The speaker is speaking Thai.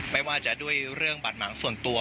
ไม่ว่าจะด้วยเรื่องบาดหมางส่วนตัว